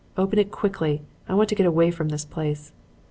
Open it quickly! I want to get away from this place!'